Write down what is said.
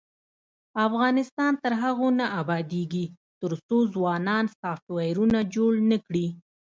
افغانستان تر هغو نه ابادیږي، ترڅو ځوانان سافټویرونه جوړ نکړي.